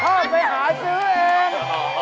ไปหาซื้อเอง